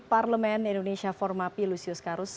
parlemen indonesia formapi lusius karus